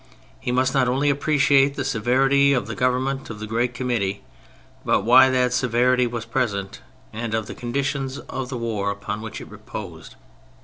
He must not only appreciate the severity of the govern ment of the great Committee, but why that severity was present, and of the conditions of war upon which it reposed.